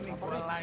ya udah lagi